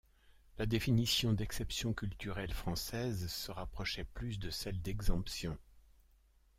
La définition d'exception culturelle française se rapprochait plus de celle d'exemption.